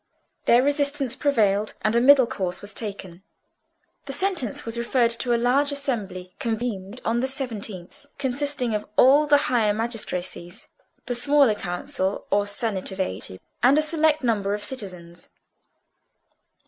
Their resistance prevailed, and a middle course was taken; the sentence was referred to a large assembly convened on the seventeenth, consisting of all the higher magistracies, the smaller council or Senate of Eighty, and a select number of citizens.